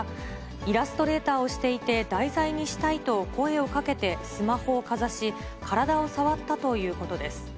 イラストレーターをしていて、題材にしたいと声をかけてスマホをかざし、体を触ったということです。